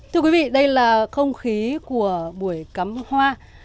thưa quý vị đây là không khí của buổi cắm hoa